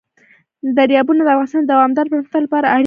دریابونه د افغانستان د دوامداره پرمختګ لپاره اړین دي.